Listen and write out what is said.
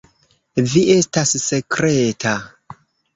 Vi estas sekreta.